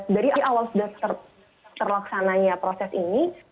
dari awal sudah terlaksananya proses ini